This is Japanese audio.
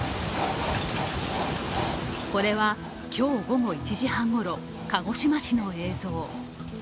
これは今日午後１時半ごろ、鹿児島市の映像。